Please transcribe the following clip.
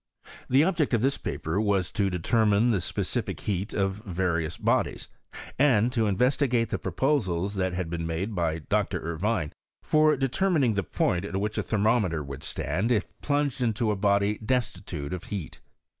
The object of this paper was tt determine the specific heat of various bodies, and t» investigate the proposals that had been made by Dr* Irvine for determining ihe point at which a thermo meter would stand, if plunged into a body destitute of heat.